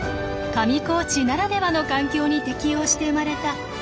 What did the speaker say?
上高地ならではの環境に適応して生まれた魚狩りの技。